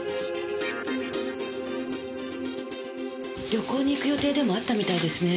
旅行に行く予定でもあったみたいですね。